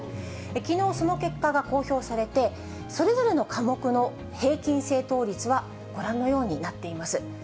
きのう、その結果が公表されて、それぞれの科目の平均正答率はご覧のようになっています。